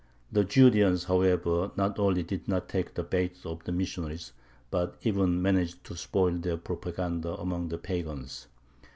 The "Judeans," however, not only did not take the bait of the missionaries, but even managed to spoil their propaganda among the pagans.